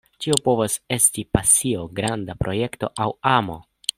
Tio povas esti pasio, granda projekto, aŭ amo.